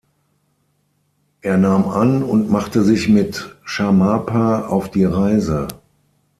Er nahm an und machte sich mit Shamarpa auf die Reise.